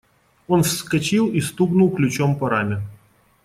Он вскочил и стукнул ключом по раме.